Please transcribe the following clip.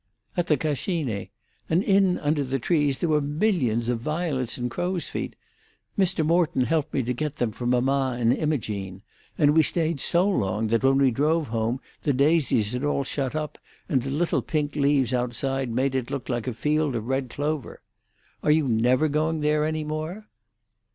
"At the Cascine. And in under the trees there were millions of violets and crow's feet. Mr. Morton helped me to get them for mamma and Imogene. And we stayed so long that when we drove home the daisies had all shut up, and the little pink leaves outside made it look like a field of red clover. Are you never going there any more?"